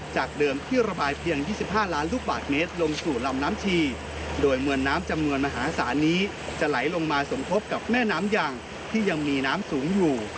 จากเดิมที่ระบายเพียง๒๕ล้านลูกบาทเมตรลงสู่ลำน้ำชีโดยมวลน้ำจำนวนมหาศาลนี้จะไหลลงมาสมทบกับแม่น้ำอย่างที่ยังมีน้ำสูงอยู่